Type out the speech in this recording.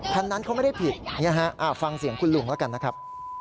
คันนั้นเขาไม่ได้ผิดฟังเสียงคุณลุงแล้วกันนะครับ